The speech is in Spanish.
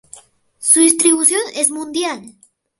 Su distribución es mundial.